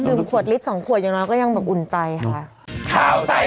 ขวดลิตร๒ขวดอย่างน้อยก็ยังแบบอุ่นใจค่ะ